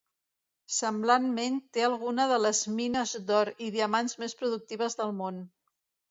Semblantment té algunes de les mines d'or i diamants més productives del món.